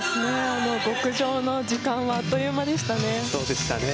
極上の時間はあっという間でしたね。